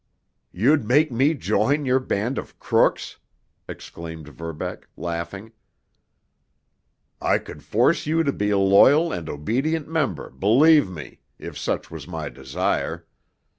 "You'd make me join your band of crooks!" exclaimed Verbeck, laughing. "I could force you to be a loyal and obedient member, believe me, if such was my desire.